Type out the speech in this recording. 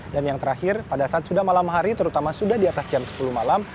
dan yang terakhir pada saat sudah malam hari terutama sudah di atas jam sepuluh malam